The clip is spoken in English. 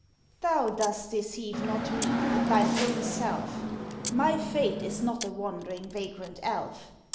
MAID Thou dost deceive, not me, but thine own self. My fate is not a wandering, vagrant elf.